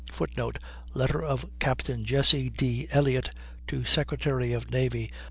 [Footnote: Letter of Captain Jesse D. Elliott to Secretary of Navy.